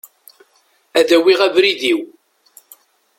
Ad awiɣ abrid-iw.